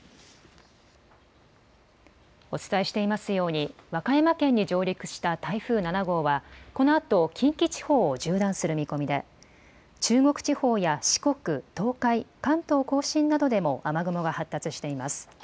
お伝えしていますように和歌山県に上陸した台風７号はこのあと近畿地方を縦断する見込みで中国地方や四国、東海、関東甲信などでも雨雲が発達しています。